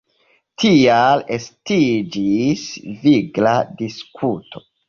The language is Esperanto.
Tial estiĝis vigla diskuto.